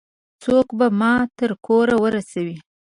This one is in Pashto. څوک به ما تر کوره ورسوي؟